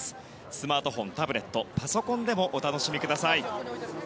スマートフォン、タブレットパソコンでもお楽しみください。